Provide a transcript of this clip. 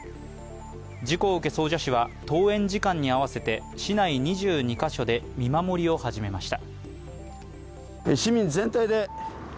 事故を受け総社市は登園時間に合わせて市内２２カ所で見守りを始めました。